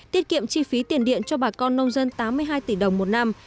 tiết kiệm chi phí tiền điện cho bà con nông dân tám mươi hai tỷ đồng một năm